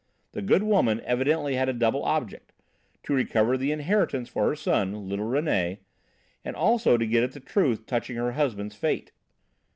The good woman evidently had a double object, to recover the inheritance for her son, little René, and also to get at the truth touching her husband's fate.